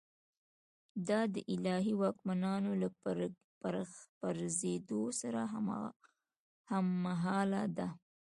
دا د الهي واکمنانو له پرځېدو سره هممهاله ده.